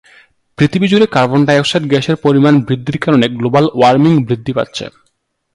পৃথিবীজুড়ে carbon dioxide গ্যাসের পরিমাণ বৃদ্ধির কারণে গ্লোবাল ওয়ার্মিং বৃদ্ধি পাচ্ছে।